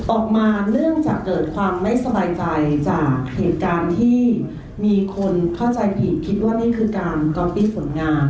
ออกมาเนื่องจากเกิดความไม่สบายใจจากเหตุการณ์ที่มีคนเข้าใจผิดคิดว่านี่คือการก๊อปปี้ผลงาน